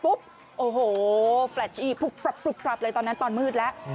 ปุ๊บโอ้โหแฟลชอีปุ๊บปรับปรุ๊บปรับเลยตอนนั้นตอนมืดแล้ว